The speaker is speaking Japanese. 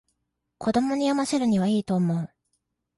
子供に読ませるにはいいと思う